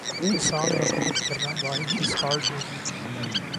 کسان اور حکومت کے درمیان واحد چیز کارڈ ہوگی